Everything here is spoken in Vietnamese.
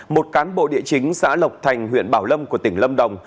một cán bộ địa chính xã lộc thành huyện bảo lâm của tỉnh lâm đồng